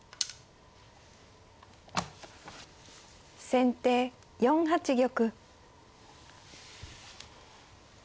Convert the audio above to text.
先手４八玉。